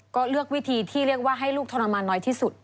ก็เลือกวิธีที่เรียกว่าให้ลูกทรมานน้อยที่สุด